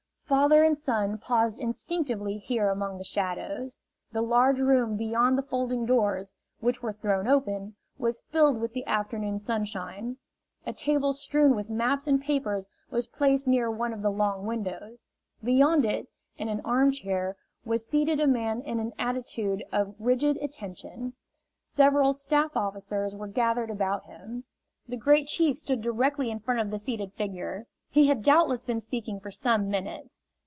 Father and son paused instinctively here among the shadows. The large room beyond the folding doors, which were thrown open, was filled with the afternoon sunshine; a table strewn with maps and papers was placed near one of the long windows. Beyond it, in an armchair, was seated a man in an attitude of rigid attention. Several staff officers were gathered about him. The Great Chief stood directly in front of the seated figure. He had doubtless been speaking for some minutes.